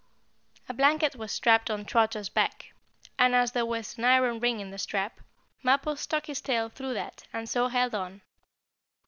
A blanket was strapped on Trotter's back, and as there was an iron ring in the strap, Mappo stuck his tail through that, and so held on.